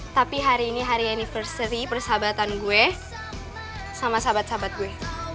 tapi hari ini harian universary persahabatan gue sama sahabat sahabat gue